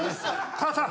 母さん。